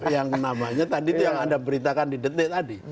yang namanya tadi itu yang anda beritakan di detik tadi